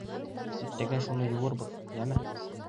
Иртәгә шуны йыуырбыҙ, йәме.